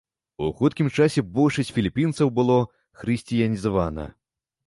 У хуткім часе большасць філіпінцаў было хрысціянізавана.